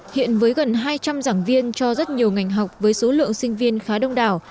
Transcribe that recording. hiện với gần hai trăm linh giảng viên cho rất nhiều ngành học với số lượng sinh viên khá đông đảo